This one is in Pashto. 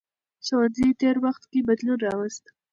ښوونځي تېر وخت کې بدلون راوست.